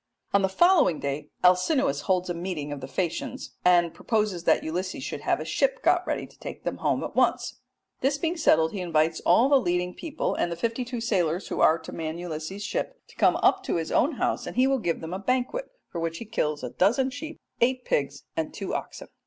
On the following day Alcinous holds a meeting of the Phaeacians and proposes that Ulysses should have a ship got ready to take him home at once: this being settled he invites all the leading people, and the fifty two sailors who are to man Ulysses' ship, to come up to his own house, and he will give them a banquet for which he kills a dozen sheep, eight pigs, and two oxen.